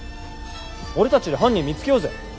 俺たちで犯人見つけようぜ。